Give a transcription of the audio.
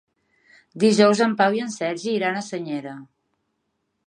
Dijous en Pau i en Sergi iran a Senyera.